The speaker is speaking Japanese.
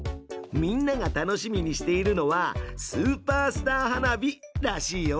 みんなが楽しみにしているのは「スーパースター花火」らしいよ！